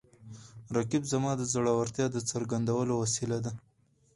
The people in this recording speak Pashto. رقیب زما د زړورتیا د څرګندولو وسیله ده